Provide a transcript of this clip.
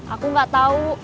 aku gak tahu